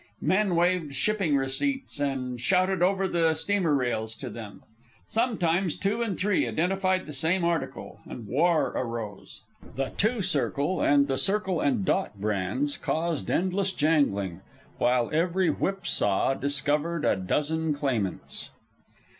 Men waved shipping receipts and shouted over the steamer rails to them. Sometimes two and three identified the same article, and war arose. The "two circle" and the "circle and dot" brands caused endless jangling, while every whipsaw discovered a dozen claimants.